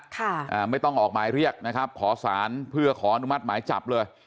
อ่าไม่ต้องออกหมายเรียกนะครับขอสารเพื่อขออนุมัติหมายจับเลย